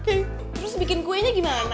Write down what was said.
terus bikin kuenya gimana